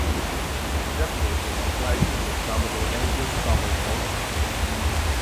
"Sheffield" was the flagship of Commodore Angus Somerville.